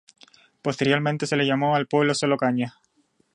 Posteriormente se le llamó al pueblo sólo Cañas.